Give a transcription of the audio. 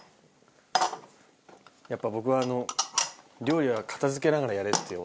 やっぱ僕は料理は片付けながらやれって教わった。